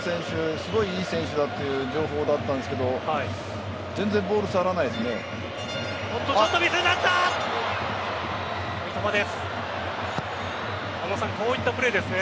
すごい選手だという情報だったんですが全然ボール触らないですね。